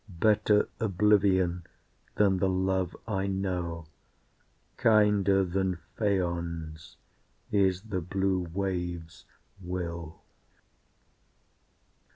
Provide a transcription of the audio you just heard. Better oblivion than the love I know, Kinder than Phaon's is the blue wave's will.